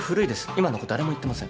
今の子誰も言ってません。